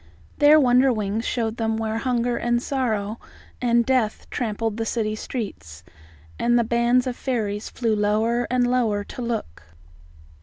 There Wonderwings showed them where hunger and sorrow and death trampled the city streets, and the band of fairies flew lower and lower to look.